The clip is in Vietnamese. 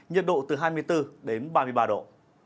nhiệt độ từ hai mươi bốn đến ba mươi ba độ